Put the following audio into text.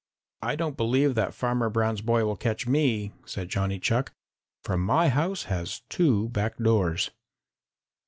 "I don't believe that Farmer Brown's boy will catch me," said Johnny Chuck, "for my house has two back doors."